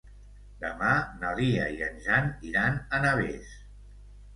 Demà na Lia i en Jan iran a Navès.